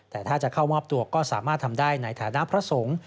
แต่ถ้าจะเข้ามอบตัวก็สามารถทำได้ในฐานะพระสงฆ์